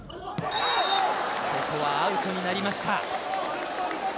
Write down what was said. ここはアウトになりました。